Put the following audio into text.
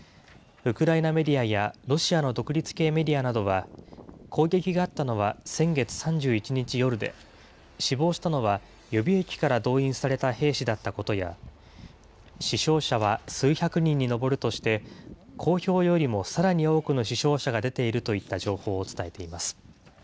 ウクライナメディアやロシアの独立系メディアなどは、攻撃があったのは先月３１日夜で、死亡したのは、予備役から動員された兵士だったことや、死傷者は数百人に上るとして、公表よりもさらに多くの死傷者が出ているといった情報を伝えています。